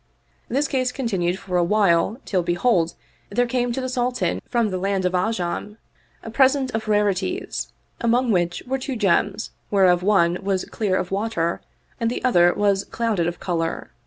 This case continued for a while till behold, there came to the Sultan from the land of *Ajam a present of rarities, among which were two gems whereof one was clear of water and the other was clouded of color.